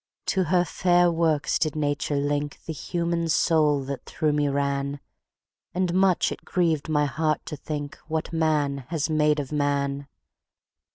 To her fair works did Nature link The human soul that through me ran; And much it grieved my heart to think What man has made of man.